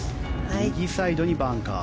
右サイドにバンカー。